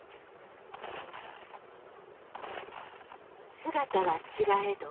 姿は違えど